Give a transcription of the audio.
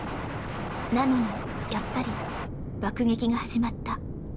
なのにやっぱり爆撃が始まった。